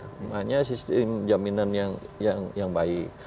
namanya sistem jaminan yang baik